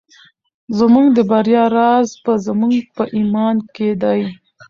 زموږ د بریا راز په زموږ په ایمان کې دی.